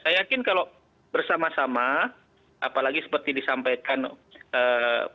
saya yakin kalau bersama sama apalagi seperti disampaikan mbak hermawan tadi